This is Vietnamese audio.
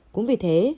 cũng vì thế